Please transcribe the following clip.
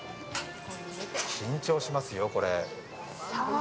緊張しますよ、これ。